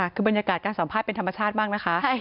คือบรรยากาศการสัมภาษณ์เป็นธรรมชาติมากนะคะ